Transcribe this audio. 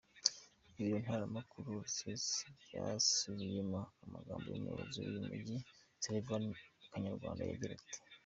Ibiro ntaramakuru Reuters byasubiyemo amagambo y'umuyobozi w'uyu mujyi Sylvain Kanyamanda agira ati:.